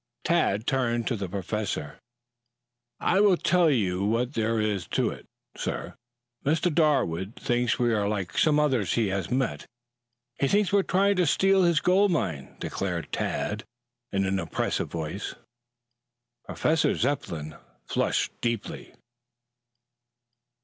Tad turned to the Professor. "I will tell you what there is to it, sir. Mr. Darwood thinks we are like some others he has met. He thinks we are trying to steal his gold mine," declared Tad in an impressive voice. Professor Zepplin flushed deeply.